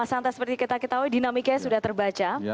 mas hanta seperti kita ketahui dinamikanya sudah terbaca